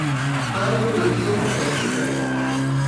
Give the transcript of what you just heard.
Clara Veloso de Albuquerque Franco